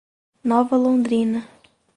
Nova Londrina